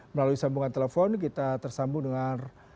melalui sambungan telepon kita tersambung dengan